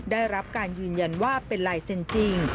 ได้รับการยืนยันว่าเป็นลายเซ็นต์จริง